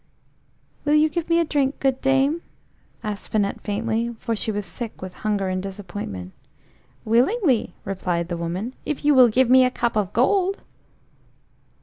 "Will you give me a drink, good dame?" asked Finette faintly, for she was sick with hunger and disappointment. "Willingly," replied the woman, "if you will give me a cup of gold!"